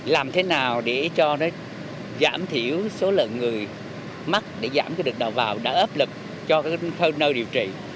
làm thế nào để cho giảm thiểu số lượng người mắc để giảm được đầu vào đỡ ấp lực cho nơi điều trị